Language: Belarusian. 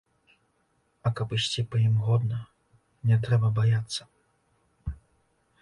А каб ісці па ім годна, не трэба баяцца.